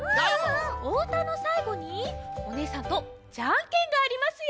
おうたのさいごにおねえさんとジャンケンがありますよ！